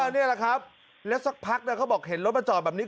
นี่แหละครับแล้วสักพักนะเขาบอกเห็นรถมาจอดแบบนี้